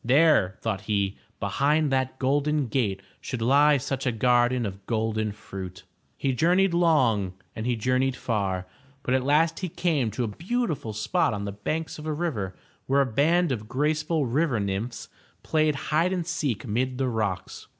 There, thought he, behind that golden gate should lie such a garden of golden fruit. He journeyed long and he journeyed far, but at last he came to a beautiful spot on the banks of a river, where a band of graceful river nymphs played hide and seek mid the rocks.